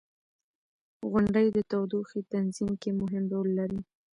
• غونډۍ د تودوخې تنظیم کې مهم رول لري.